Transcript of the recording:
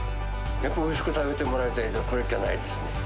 やっぱりおいしく食べてもらいたい、これっきゃないですね。